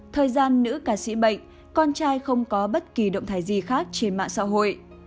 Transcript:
thời gian nữ ca sĩ bệnh con trai không có bất kỳ động thái gì khác trên mạng xã hội